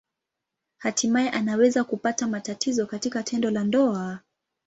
Hatimaye anaweza kupata matatizo katika tendo la ndoa.